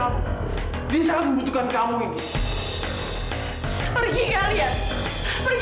pegang tangan gua taufan